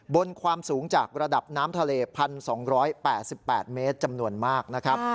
บนความสูงจากระดับน้ำทะเล๑๒๘๘เมตรจำนวนมากนะครับ